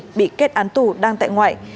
tư bị kết án tù đang tại ngoại